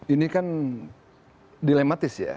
ini kan dilematis ya